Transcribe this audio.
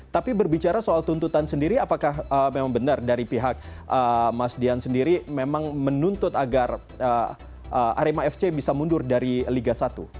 tapi berbicara soal tuntutan sendiri apakah memang benar dari pihak mas dian sendiri memang menuntut agar arema fc bisa mundur dari liga satu